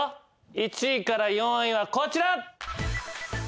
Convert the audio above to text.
１位から４位はこちら。